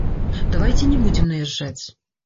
Давайце не будзем наязджаць.